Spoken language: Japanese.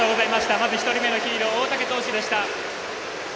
まず１人目のヒーロー大竹投手でした。